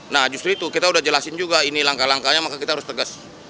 nah justru itu kita udah jelasin juga ini langkah langkahnya maka kita harus tegas